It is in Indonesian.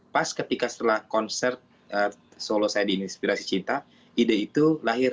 pas ketika setelah konser solo saya diinspirasi cinta ide itu lahir